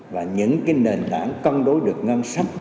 và những cái nền tảng cân đối được ngân sách